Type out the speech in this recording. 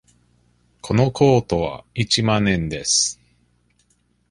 このコートは一万円です。